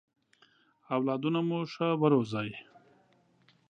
اولادونه مو ښه ورزوی!